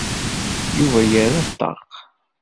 Yuba yerra ṭṭaq.